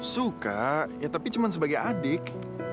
suka ya tapi cuma sebagai adik